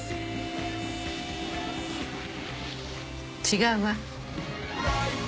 違うわ。